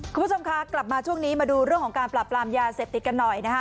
คุณผู้ชมคะกลับมาช่วงนี้มาดูเรื่องของการปราบปรามยาเสพติดกันหน่อยนะคะ